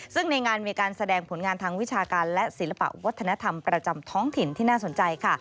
ซึ่งในงานมีการแสดงผลงานทางวิชาการและศิลปะวัฒนธรรมประจำท้องถิ่นที่น่าสนใจค่ะ